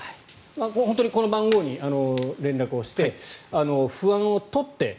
本当にこの番号に連絡をして不安を取って。